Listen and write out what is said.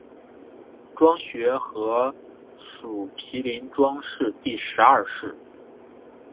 庄学和属毗陵庄氏第十二世。